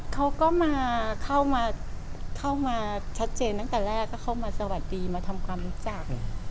เขาก็มาเข้ามาชัดเจนตั้งแต่แรกก็เข้ามาสวัสดีมาทำความรู้จัก